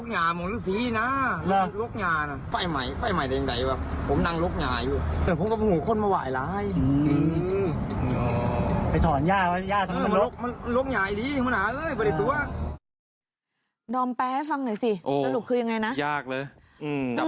ยากเลยจับใจความไม่ได้เลยครับ